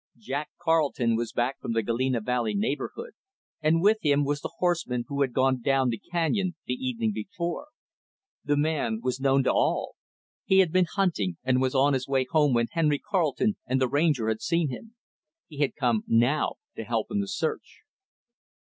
Jack Carleton was back from the Galena Valley neighborhood, and, with him, was the horseman who had gone down the canyon the evening before. The man was known to all. He had been hunting, and was on his way home when Henry Carleton and the Ranger had seen him. He had come, now, to help in the search.